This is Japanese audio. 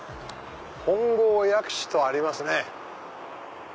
本郷薬師とありますね。